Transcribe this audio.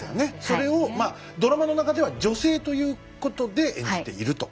それをまあドラマの中では女性ということで演じていると。